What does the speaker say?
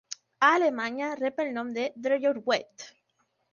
A Alemanya rep el nom de "Dreierwette".